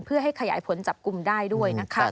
เพื่อให้ขยายผลจับกลุ่มได้ด้วยนะคะ